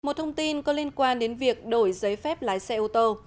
một thông tin có liên quan đến việc đổi giấy phép lái xe ô tô